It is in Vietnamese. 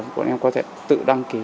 bọn em có thể tự đăng ký